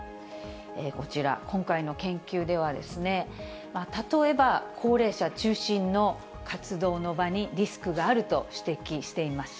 こちら、今回の研究では、例えば高齢者中心の活動の場にリスクがあると指摘しています。